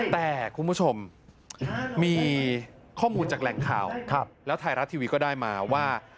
แต่คุณผู้ชมมีข้อมูลจากแหล่งข่าวแล้วไทยรัฐทีวีก็ได้มาว่า